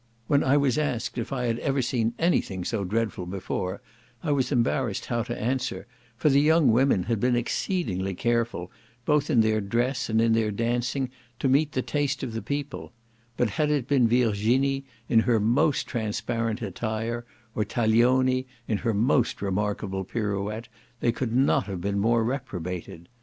When I was asked if I had ever seen any thing so dreadful before, I was embarrassed how to answer; for the young women had been exceedingly careful, both in their dress and in their dancing, to meet the taste of the people; but had it been Virginie in her most transparent attire, or Taglioni in her most remarkable pirouette, they could not have been more reprobated.